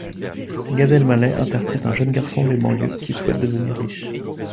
Gad Elmaleh interprète un jeune garçon des banlieues qui souhaite devenir riche.